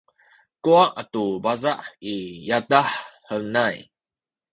kuwa’ atu paza’ i yadah henay